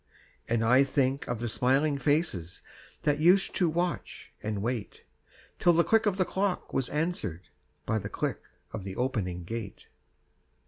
And I think of the smiling faces That used to watch and wait, Till the click of the clock was answered By the click of the opening gate.